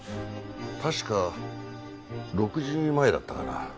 確か６時前だったかな。